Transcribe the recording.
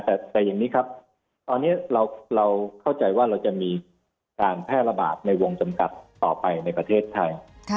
แต่อย่างนี้ครับตอนนี้เราเข้าใจว่าเราจะมีการแพร่ระบาดในวงจำกัดต่อไปในประเทศไทย